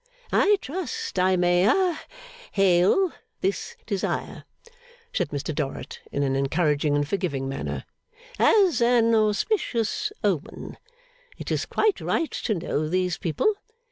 I trust I may ha hail this desire,' said Mr Dorrit, in an encouraging and forgiving manner, 'as an auspicious omen. It is quite right to know these people.